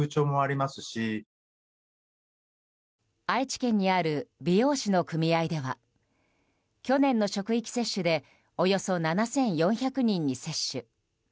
愛知県にある美容師の組合では去年の職域接種でおよそ７４００人に接種。